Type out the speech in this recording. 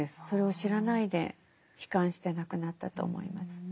それを知らないで悲観して亡くなったと思います。